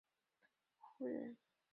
沮渠秉卢水胡人。